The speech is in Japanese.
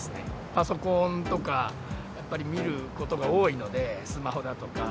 パソコンとかやっぱり見ることが多いので、スマホだとか。